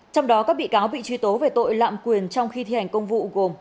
trong đó các bị cáo bị truy tố về tội lạm quyền trong khi thi hành công vụ gồm